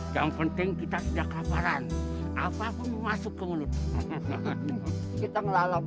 yang penting kita sudah kelaparan apapun masuk ke mulut kita ngelalap